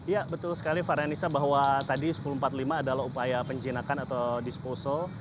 ya betul sekali farhanisa bahwa tadi sepuluh empat puluh lima adalah upaya penjinakan atau disposal